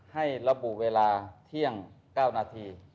ให้ระบุเวลาเที่ยง๙นาที